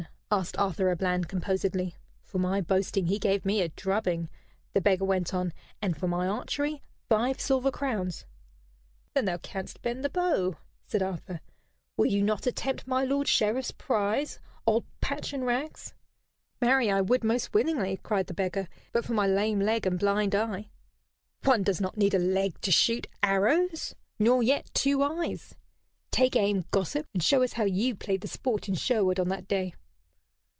asked Arthur à Bland, composedly. "For my boasting he gave me a drubbing," the beggar went on, "and for my archery five silver crowns." "Then thou canst bend the bow?" said Arthur. "Will you not attempt my lord Sheriff's prize, old Patch and Rags?" "Marry, I would most willingly," cried the beggar, "but for my lame leg and blind eye." "One does not need a leg to shoot arrows, nor yet two eyes. Take aim, gossip, and show us how you played the sport in Sherwood on that day."